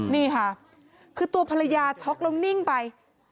นี่ค่ะคือตัวภรรยาช็อกแล้วนิ่งไป